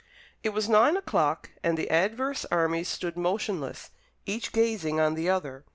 It was nine o'clock, and the adverse armies stood motionless, each gazing on the other.